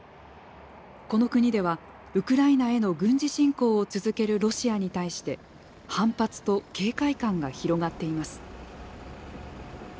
この国では、ウクライナへの軍事侵攻を続けるロシアに対して反発と警戒感が広がっています。